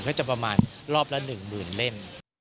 ก็จะประมาณรอบละ๑หมื่นเล่ม